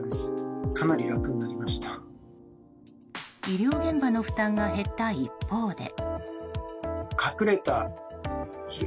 医療現場の負担が減った一方で。